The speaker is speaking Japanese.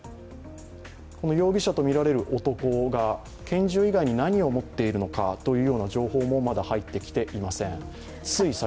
この容疑者とみられる男が拳銃以外に何を持っているのかという情報もまだ入ってきていません。